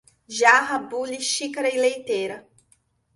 Jarra, bule, xícara e leiteira